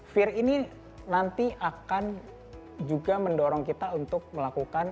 fear ini nanti akan juga mendorong kita untuk melakukan